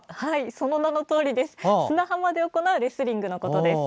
その名のとおり砂浜で行うレスリングのことです。